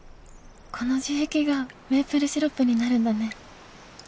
この樹液がメープルシロップになるんだね。